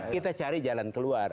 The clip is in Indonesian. kita cari jalan keluar